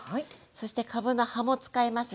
そしてかぶの葉も使えますね。